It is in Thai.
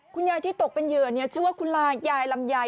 คุณยายที่ตกเป็นเหยื่อชื่อว่าคุณลายายลำไย